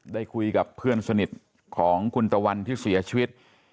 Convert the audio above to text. ได้คุยกับเพื่อนสนิทของคุณตะวันที่เสียชีวิต